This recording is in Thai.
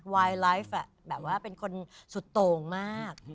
วายไลฟ์แบบว่าเป็นคนสุดโต่งมาก